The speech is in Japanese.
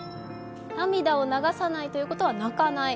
涙を流さないということは泣かない。